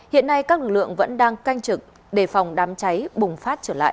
hiện nay các lực lượng vẫn đang canh trực đề phòng đám cháy bùng phát trở lại